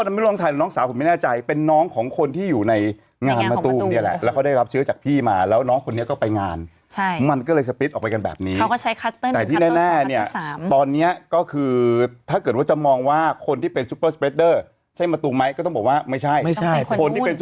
ไม่แน่ใจเป็นน้องของคนที่อยู่ในงานมตูมนี่แหละแล้วเขาได้รับเชื้อจากพี่มาแล้วน้องคนนี้ก็ไปงานใช่มันก็เลยสปิดออกไปกันแบบนี้เขาก็ใช้คัตเตอร์หนึ่งคัตเตอร์สองคัตเตอร์สามแต่ที่แน่แน่เนี่ยตอนเนี้ยก็คือถ้าเกิดว่าจะมองว่าคนที่เป็นซูเปอร์สเปรดเดอร์ใช่มตูมไหมก็ต้องบอกว่าไม่ใช่ไม่ใช่คนที่เป็นซ